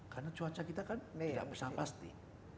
karena cuaca kita kan tidak bisa pasti